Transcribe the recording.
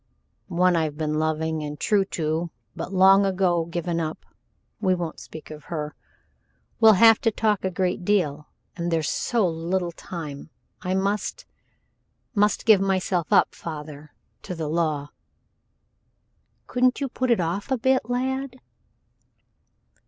"One I've been loving and true to but long ago given up we won't speak of her. We'll have to talk a great deal, and there's so little time! I must must give myself up, father, to the law." "Couldn't you put it off a bit, lad?"